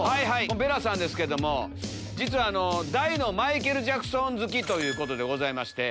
ベラさんですけども実は大のマイケル・ジャクソン好きということでございまして。